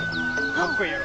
かっこええやろ。